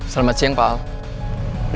selamat siang pak